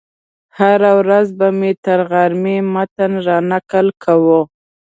هره ورځ به مې تر غرمې متن رانقل کاوه.